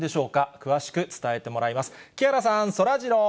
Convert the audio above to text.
詳しく伝えてもらいます。